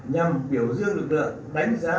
nhằm biểu dương lực lượng đánh giá